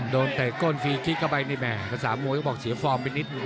เตะก้นฟรีคลิกเข้าไปนี่แม่ภาษามวยก็บอกเสียฟอร์มไปนิดนึ